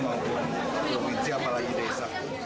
maupun kebunja apalagi desa